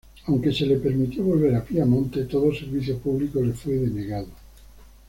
Aunque se le permitió volver a Piamonte, todo servicio público le fue denegado.